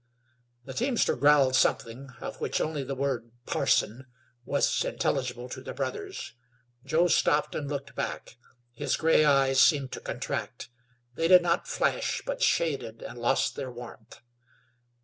The teamster growled something of which only the word "parson" was intelligible to the brothers. Joe stopped and looked back. His gray eyes seemed to contract; they did not flash, but shaded and lost their warmth.